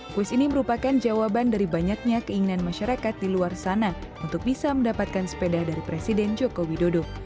kuis ini merupakan jawaban dari banyaknya keinginan masyarakat di luar sana untuk bisa mendapatkan sepeda dari presiden joko widodo